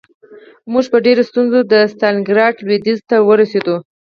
موږ په ډېره ستونزه د ستالینګراډ لویدیځ ته ورسېدو